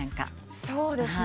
そうですね。